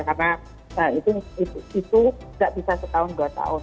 karena itu tidak bisa setahun dua tahun